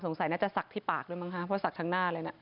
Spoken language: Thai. สงสัยน่าจะสักที่ปากด้วยมั้งคะเพราะสักทั้งหน้าเลยนะ